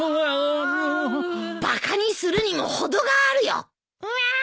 バカにするにも程があるよ。